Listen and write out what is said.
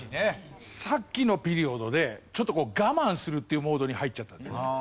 さっきのピリオドでちょっとこう我慢するっていうモードに入っちゃったんですよね。